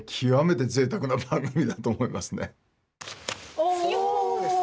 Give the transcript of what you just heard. お！